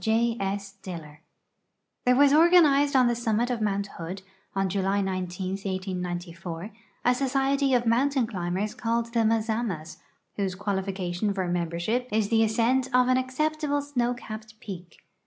THE MAZAMAS There was organized on the summit of Mount Hood, on July 19, 1894, a society of mountain climbers called the Mazamas, whose qualification for membership is the ascent of an acceptable snow capped peak.